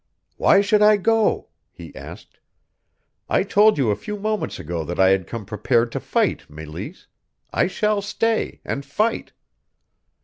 "Why should I go?" he asked. "I told you a few moments ago that I had come prepared to fight, Meleese. I shall stay and fight!"